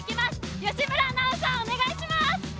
吉村アナウンサー、お願いします！